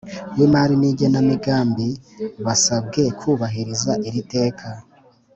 W imari n igenamigambi basabwe kubahiriza iri teka